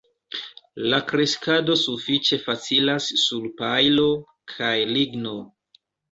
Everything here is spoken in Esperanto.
La kreskado sufiĉe facilas sur pajlo kaj ligno.